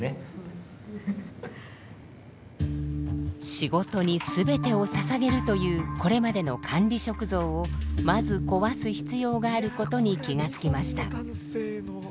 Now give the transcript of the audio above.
仕事に全てをささげるというこれまでの管理職像をまず壊す必要があることに気がつきました。